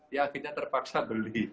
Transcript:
ya kita terpaksa beli